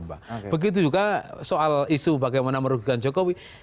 begitu juga soal isu bagaimana merugikan jokowi